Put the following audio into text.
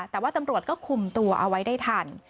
แต่ว่าตำรวจก็คุมตัวเอาไว้ได้ทัน